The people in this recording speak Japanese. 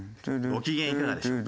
ご機嫌いかがでしょうか。